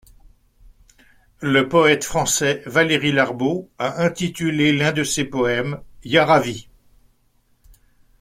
Le poète français Valery Larbaud a intitulé l'un de ses poèmes Yaraví.